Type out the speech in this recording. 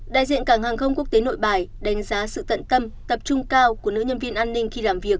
đại diện cảng hàng không quốc tế nội bài đánh giá sự tận tâm tập trung cao của nữ nhân viên an ninh khi làm việc